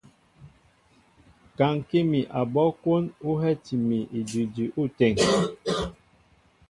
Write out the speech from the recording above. Kaŋkí mi abɔ́ kwón ú hɛ́ti mi idʉdʉ ôteŋ.